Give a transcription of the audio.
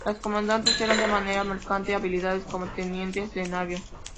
Los comandantes eran de la marina mercante, habilitados como tenientes de navío.